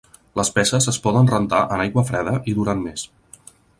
Les peces es poden rentar en aigua freda i duren més.